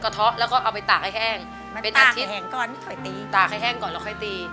ตากให้แห้งก่อนแล้วค่อยตี